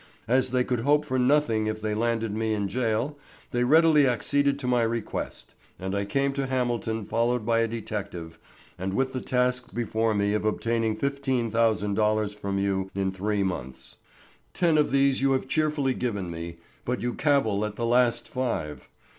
As they could hope for nothing if they landed me in jail, they readily acceded to my request, and I came to Hamilton followed by a detective, and with the task before me of obtaining fifteen thousand dollars from you in three months. Ten of these you have cheerfully given me, but you cavil at the last five.